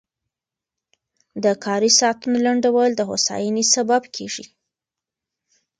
د کاري ساعتونو لنډول د هوساینې سبب کېږي.